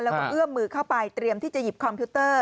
แล้วก็เอื้อมมือเข้าไปเตรียมที่จะหยิบคอมพิวเตอร์